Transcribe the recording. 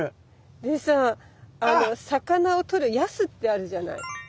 でさ魚をとるやすってあるじゃない。